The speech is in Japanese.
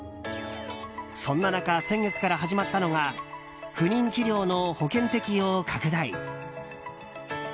そんな中先月から始まったのが不妊治療の保険適用拡大。